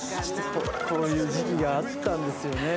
こういう時期があったんですよね。